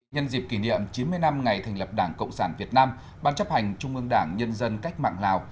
nhân dịp kỷ niệm chín mươi năm ngày thành lập đảng cộng sản việt nam ban chấp hành trung ương đảng nhân dân cách mạng lào